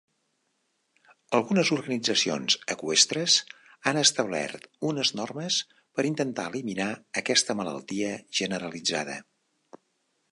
Algunes organitzacions eqüestres han establert unes normes per intentar eliminar aquesta malaltia generalitzada.